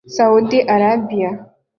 Saudi Arabia